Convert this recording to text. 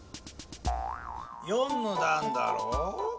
「４のだん」だろう？